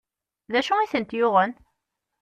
D acu i tent-yuɣen?